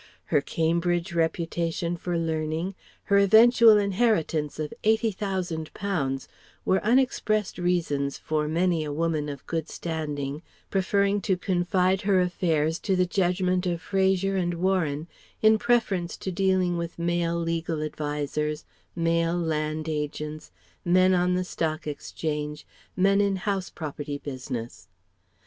Her Cambridge reputation for learning, her eventual inheritance of eighty thousand pounds were unexpressed reasons for many a woman of good standing preferring to confide her affairs to the judgment of Fraser and Warren, in preference to dealing with male legal advisers, male land agents, men on the Stock Exchange, men in house property business.